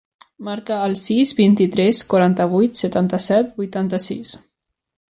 Marca el sis, vint-i-tres, quaranta-vuit, setanta-set, vuitanta-sis.